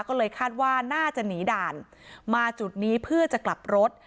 ก็เลยคาดว่าน่าจะหนีด่านมาจุดนี้เพื่อจะกลับรถ